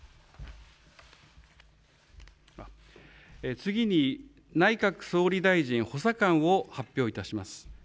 次に内閣総理大臣補佐官を発表いたします。